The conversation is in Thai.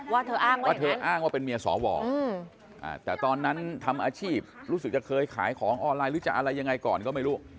ว่าเธออ้างว่าเป็นเมียสวแต่ตอนนั้นทำอาชีพรู้สึกจะเคยขายของออนไลน์หรือจะอะไรยังไงก่อนก็ไม่รู้